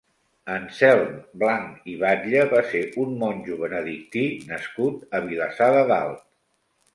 Anselm Blanch i Batlle va ser un monjo benedictí nascut a Vilassar de Dalt.